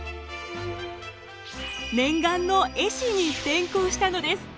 念願の絵師に転向したのです。